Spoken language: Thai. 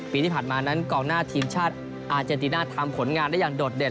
ปีที่ผ่านมานั้นกองหน้าทีมชาติอาเจนติน่าทำผลงานได้อย่างโดดเด่น